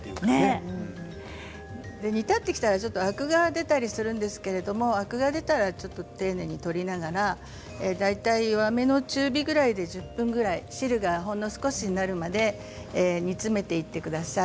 煮立ってきたらアクが出たりするんですがアクが出たら丁寧に取りながら弱めの中火ぐらいで１０分ぐらい汁がほんの少しになるまで煮詰めていってください。